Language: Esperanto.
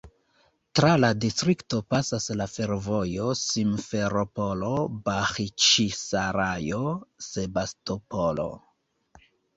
Tra la distrikto pasas la fervojo Simferopolo-Baĥĉisarajo-Sebastopolo.